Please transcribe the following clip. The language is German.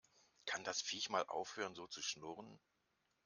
Kann das Viech mal aufhören so zu schnurren?